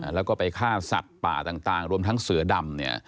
แล้วก็ไปฆ่าสัตว์ป่าต่างรวมทั้งเสือดำ